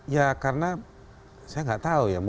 ya karena saya nggak tahu ya